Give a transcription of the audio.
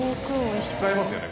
使いますよね